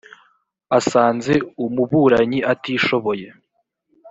asanze umuburanyi atishoboye